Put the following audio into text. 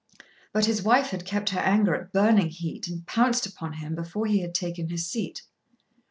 But his wife had kept her anger at burning heat and pounced upon him before he had taken his seat.